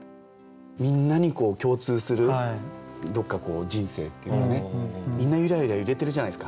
みんなに共通するどっか人生っていうのはねみんなゆらゆら揺れてるじゃないですか。